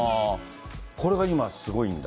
これが今、すごいんだ。